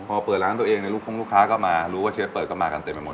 พอเปิดร้านตัวเองในลูกคงลูกค้าก็มารู้ว่าเชฟเปิดก็มากันเต็มไปหมด